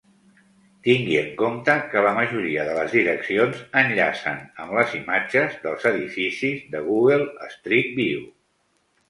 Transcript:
Tingui en compte que la majoria de les direccions enllacen amb les imatges dels edificis de Google Street View.